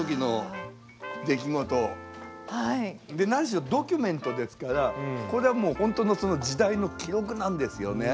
何しろドキュメントですからこれはもうほんとのその時代の記録なんですよね。